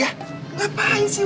ga apa apa sih